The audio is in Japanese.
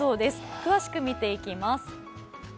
詳しく見ていきます。